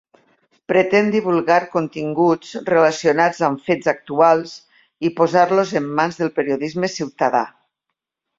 Pretén divulgar continguts relacionats amb fets actuals i posar-los en mans del periodisme ciutadà.